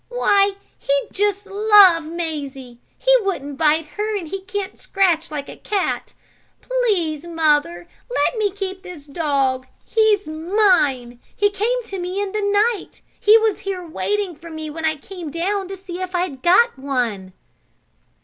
"Why he'd just love Mazie! He wouldn't bite her and he can't scratch like a cat. Please, mother, let me keep this dog! He's mine! He came to me in the night! He was here waiting for me when I came down to see if I'd got one!"